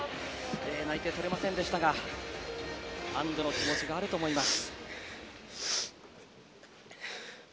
内定はとれませんでしたが安どの気持ちがあると思います。